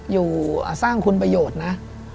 อยู่สร้างคุณประโยชน์นะ